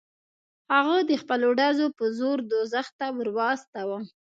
هغه د خپلو ډزو په زور دوزخ ته ور واستاوه.